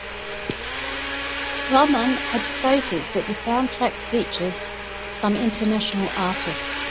Rahman had stated that the soundtrack features some international artists.